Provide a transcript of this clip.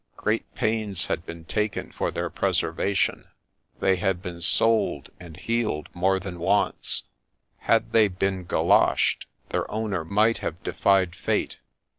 Great pains had been taken for their preservation. They had been ' soled ' and ' heeled ' more than once ;— had they been ' golo shed,' their owner might have defied Fate